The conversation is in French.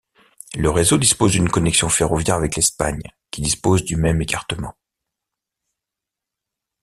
Le réseau dispose d'une connexion ferroviaire avec l'Espagne, qui dispose du même écartement.